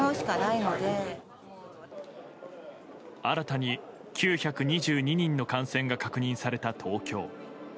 新たに９２２人の感染が確認された東京。